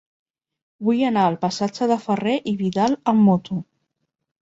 Vull anar al passatge de Ferrer i Vidal amb moto.